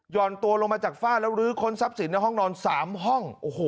่อนตัวลงมาจากฝ้าแล้วลื้อค้นทรัพย์สินในห้องนอน๓ห้อง